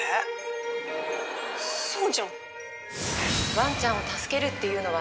ワンちゃんを助けるっていうのはね